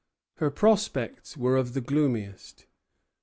Her prospects were of the gloomiest.